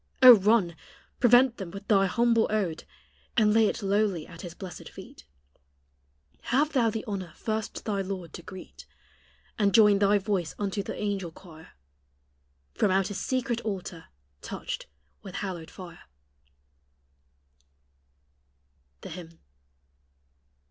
Oh! run, prevent them with thy humble ode, And lay it lowly at His blessed feet; Have thou the honor first thy Lord to greet, And join thy voice unto the angel choir, From out His secret altar touched with hallowed fire. THE HYMN.